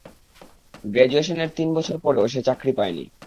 গ্র্যাজুয়েশনের তিন বছর পরেও সে চাকরি পায়নি।